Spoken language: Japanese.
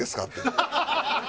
ハハハハ！